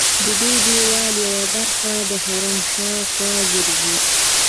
ددې دیوال یوه برخه د حرم شاوخوا ګرځي.